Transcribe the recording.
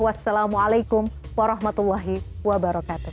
wassalamualaikum warahmatullahi wabarakatuh